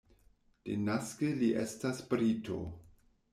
Denaske li estas brito.